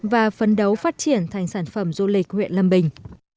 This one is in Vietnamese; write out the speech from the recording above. và phấn đấu phát triển thành sản phẩm du lịch huyện lâm bình